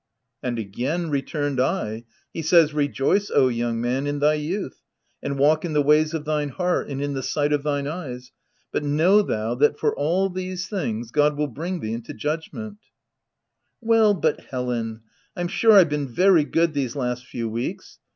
" And again," returned I, " he says, ' Re joice, O young man, in thy youth, and walk in the ways of thine heart and in the sight of thine eyes ; but know thou that, for all these things, God will bring thee into judgment/ "" Well but, Helen, I'm sure Fve been very good these last few weeks.